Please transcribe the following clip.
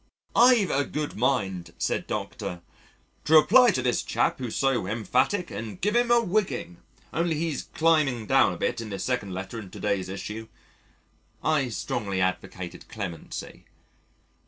"I've a good mind," said Dr. , "to reply to this chap who's so emphatic and give him a whigging only he's climbing down a bit in this second letter in to day's issue." I strongly advocated clemency.